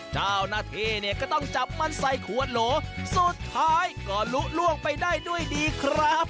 เจ้าหน้าที่เนี่ยก็ต้องจับมันใส่ขวดโหลสุดท้ายก็ลุล่วงไปได้ด้วยดีครับ